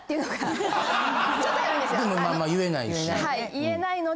でもまあ言えないし。